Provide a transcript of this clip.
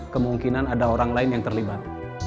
kemungkinan ada orang lain yang terlibat